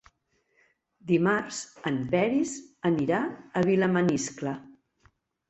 Dimarts en Peris anirà a Vilamaniscle.